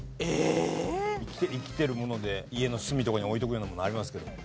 生きてるもので家の隅とかに置いておくようなものありますけども。